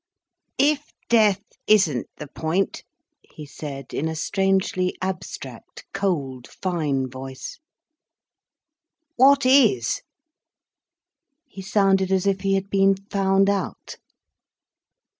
"If death isn't the point," he said, in a strangely abstract, cold, fine voice—"what is?" He sounded as if he had been found out.